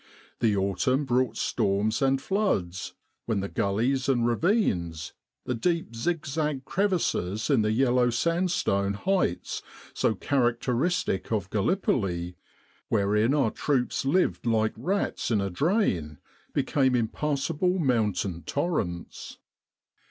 The autumn brought storms and floods, when the gullies and ravines, the deep zigzag crevices in the yellow sand stone heights so characteristic of Gallipoli wherein fc our troops lived like rats in a drain became impassable mountain torrents.